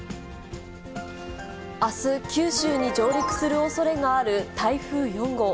あす、九州に上陸するおそれがある台風４号。